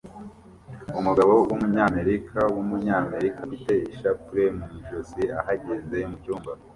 Umugabo wumunyamerika wumunyamerika ufite ishapule mu ijosi ahagaze mucyumba